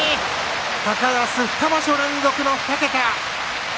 高安、２場所連続の２桁。